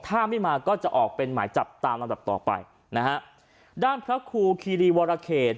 ถ้าไม่มาก็จะออกเป็นหมายจับตามลำดับต่อไปนะฮะด้านพระครูคีรีวรเขต